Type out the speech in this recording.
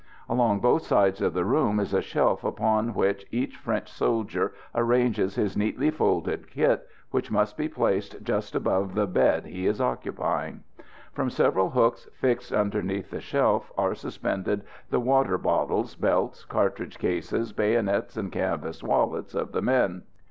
Along both sides of the room is a shelf upon which each French soldier arranges his neatly folded kit, which must be placed just above the bed he is occupying. From several hooks fixed underneath the shelf, are suspended the water bottles, belts, cartridge cases, bayonets, and canvas wallets of the men.